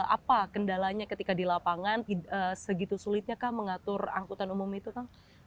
apa kendalanya ketika di lapangan segitu sulitnya kah mengatur angkutan umum itu kang